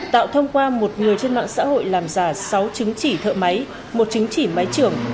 tạo thông qua một người trên mạng xã hội làm giả sáu chứng chỉ thợ máy một chứng chỉ máy trưởng